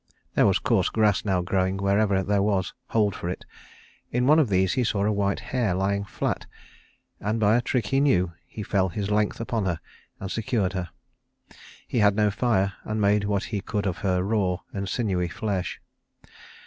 There was coarse grass now growing wherever there was hold for it. In one of these he saw a white hare lying flat, and by a trick he knew he fell his length upon her and secured her. He had no fire, and made what he could of her raw and sinewy flesh.